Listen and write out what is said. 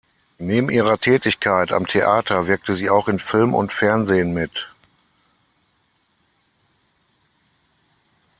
Neben ihrer Tätigkeit am Theater wirkte sie auch in Film und Fernsehen mit.